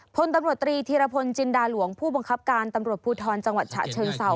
พตฤธิระพลจินดาหลวงผู้บังคับการตภูทรจังหวัดฉะเชิงเซา